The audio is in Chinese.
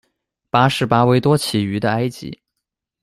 巴氏巴威多鳍鱼的埃及。